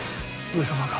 上様が。